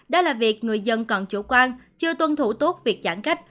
đó là việc người dân còn chủ quan chưa tuân thủ tốt việc giãn cách